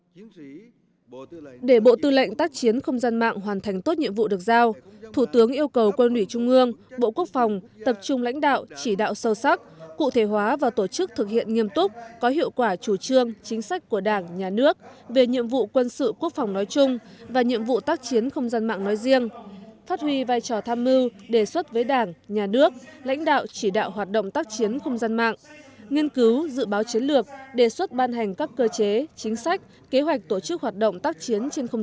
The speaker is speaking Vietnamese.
để bộ tư lệnh tác chiến không gian mạng hoàn thành tốt nhiệm vụ được giao thủ tướng yêu cầu quân ủy trung ương bộ quốc phòng tập trung lãnh đạo chỉ đạo sâu sắc cụ thể hóa và tổ chức thực hiện nghiêm túc có hiệu quả chủ trương chính sách của đảng nhà nước về nhiệm vụ quân sự quốc phòng nói chung và nhiệm vụ tác chiến không gian mạng nói riêng phát huy vai trò tham mưu đề xuất với đảng nhà nước lãnh đạo chỉ đạo hoạt động tác chiến không gian mạng nghiên cứu dự báo chiến lược đề xuất ban hành các cơ chế